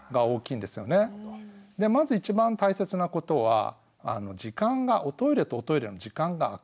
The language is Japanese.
でまず一番大切なことは時間がおトイレとおトイレの時間があく。